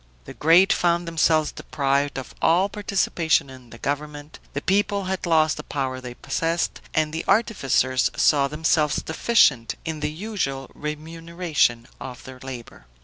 The great found themselves deprived of all participation in the government; the people had lost the power they possessed, and the artificers saw themselves deficient in the usual remuneration of their labor.